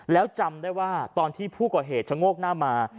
แล้วจำได้ว่าตอนที่ผู้ก่อเหตุชะโงกหน้ามา